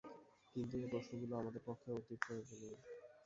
কিন্তু এই প্রশ্নগুলি আমাদের পক্ষে অতীব প্রয়োজনীয়।